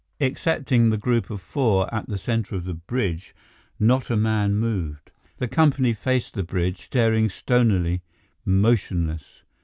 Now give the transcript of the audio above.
Excepting the group of four at the center of the bridge, not a man moved. The company faced the bridge, staring stonily, motionless.